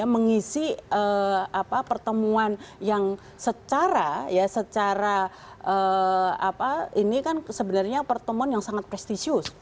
mengisi pertemuan yang secara ini kan sebenarnya pertemuan yang sangat prestisius